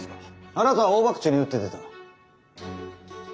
あなたは大ばくちに打って出た。